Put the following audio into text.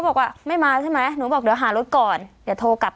บอกว่าไม่มาใช่ไหมหนูบอกเดี๋ยวหารถก่อนเดี๋ยวโทรกลับ